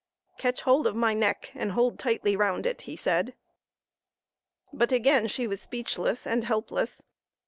"Catch hold of my neck and hold tightly round it," he said. But again she was speechless and helpless.